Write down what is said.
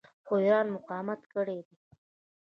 خو ایران مقاومت کړی دی.